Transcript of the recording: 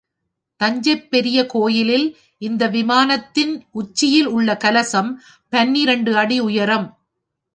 தஞ்சை பெரிய கோயில் இந்த விமானத்தின் உச்சியில் உள்ள கலசம் பன்னிரண்டு அடி உயரம்.